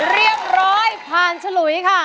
เรียบร้อยผ่านฉลุยค่ะ